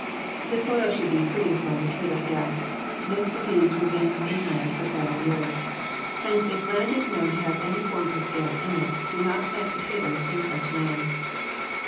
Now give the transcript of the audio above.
The soil should be free from potato scab. This disease remains in land for several years. Hence if land is known to have any form of scab in it, do not plant potatoes in such land.